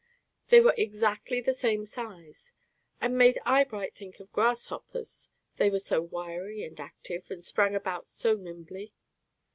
They were exactly the same size, and made Eyebright think of grasshoppers, they were so wiry and active, and sprang about so nimbly.